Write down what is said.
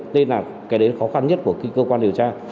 tên là cái đấy khó khăn nhất của cơ quan điều tra